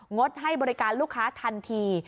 ดให้บริการลูกค้าทันที